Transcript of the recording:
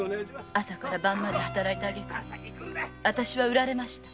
朝から晩まで働いたあげくあたしは売られました。